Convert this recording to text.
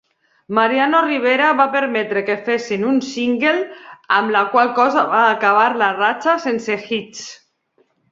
Mariano Rivera va permetre que fessin un "single", amb la qual cosa va acabar la ratxa sense "hits".